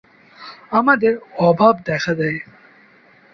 আমাদের অভাব দেখা দেয়।